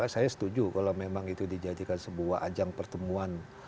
saya setuju kalau memang itu dijadikan sebuah ajang pertemuan